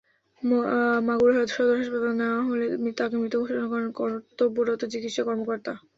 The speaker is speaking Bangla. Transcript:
মাগুরা সদর হাসপাতালে নেওয়া হলে তাঁকে মৃত ঘোষণা করেন কর্তব্যরত চিকিৎসা কর্মকর্তা।